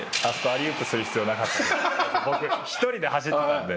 別に僕１人で走ってたんで。